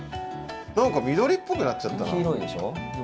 何か緑っぽくなっちゃったな。